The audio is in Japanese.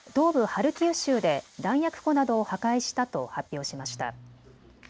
ハルキウ州で弾薬庫などを破壊したと発表しました。